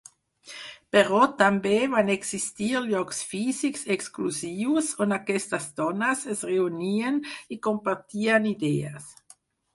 Però també van existir llocs físics exclusius on aquestes dones es reunien i compartien idees.